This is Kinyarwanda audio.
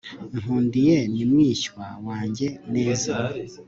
nkundiye ni mwishywa wanjye. neza